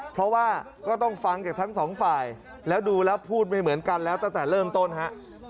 เพราะว่าก็ต้องฟังจากทั้งสองฝ่ายแล้วดูแล้วพูดไม่เหมือนกันแล้วตั้งแต่เริ่มต้นฮะ